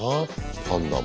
パンダも。